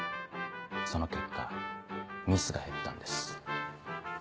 その結果ミスが減ったんです。